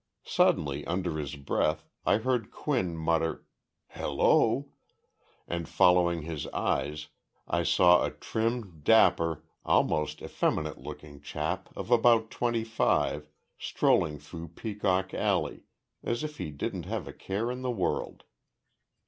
Suddenly, under his breath, I heard Quinn mutter, "Hello!" and, following his eyes, I saw a trim, dapper, almost effeminate looking chap of about twenty five strolling through Peacock Alley as if he didn't have a care in the world.